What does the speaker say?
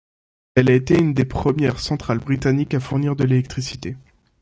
Elle a été une des premières centrales britanniques à fournir de l'électricité.